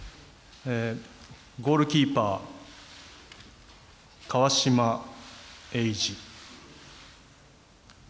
ゴールキーパー、川島永嗣。